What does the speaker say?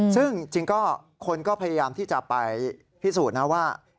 ซึ่งจริงก็คนก็พยายามที่จะไปพิสูจน์นะว่า